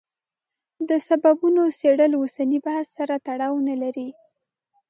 د سببونو څېړل اوسني بحث سره تړاو نه لري.